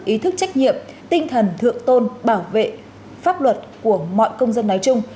ý thức trách nhiệm tinh thần thượng tôn bảo vệ pháp luật của mọi công dân nói chung